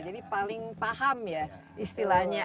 jadi paling paham ya istilahnya